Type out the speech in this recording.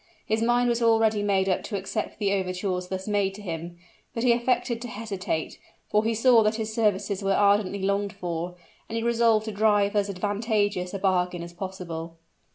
His mind was already made up to accept the overtures thus made to him; but he affected to hesitate, for he saw that his services were ardently longed for, and he resolved to drive as advantageous a bargain as possible.